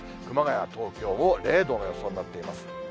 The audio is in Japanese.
熊谷、東京も０度の予想になっています。